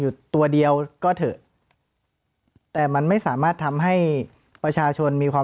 ตัวเดียวก็เถอะแต่มันไม่สามารถทำให้ประชาชนมีความ